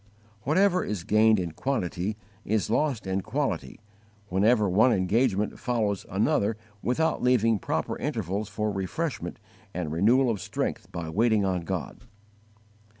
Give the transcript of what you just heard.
Whatever is gained in quantity is lost in quality whenever one engagement follows another without leaving proper intervals for refreshment and renewal of strength by waiting on God.